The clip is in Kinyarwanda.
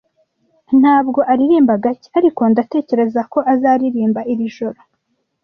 Ntabwo aririmba gake, ariko ndatekereza ko azaririmba iri joro.